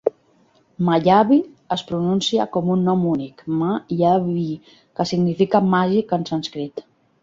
"MayaVi" es pronuncia com un nom únic, "Ma-ya-vii", que significa "màgic" en sànscrit.